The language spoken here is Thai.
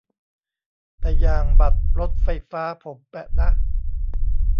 แต่อย่างบัตรรถไฟฟ้าผมแปะนะ